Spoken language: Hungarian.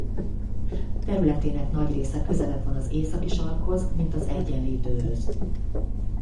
Területének nagy része közelebb van az Északi-sarkhoz mint az Egyenlítőhöz.